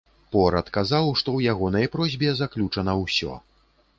Пор адказаў, што ў ягонай просьбе заключана ўсё.